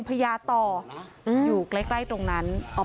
เป็นพระรูปนี้เหมือนเคี้ยวเหมือนกำลังทำปากขมิบท่องกระถาอะไรสักอย่าง